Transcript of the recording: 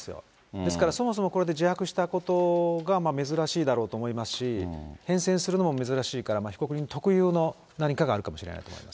ですから、そもそもこれで自白したことが珍しいだろうと思いますし、変遷するのも珍しいから、被告人特有の何かがあるかもしれないですね。